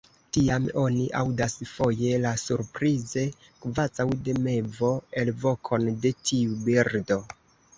Tiam oni aŭdas foje la surprize kvazaŭ de mevo alvokon de tiu birdo.